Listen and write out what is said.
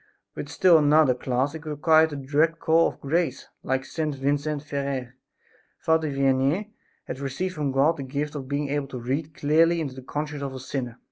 With still another class it required a direct call of grace. Like St. Vincent Ferrer, Father Vianney had received from God the gift of being able to read clearly into the conscience of a sinner.